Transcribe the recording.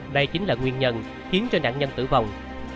đây chính là nguyên nhân khiến cho nạn nhân tử vong